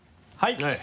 はい。